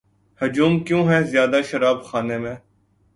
ہجوم کیوں ہے زیادہ شراب خانے میں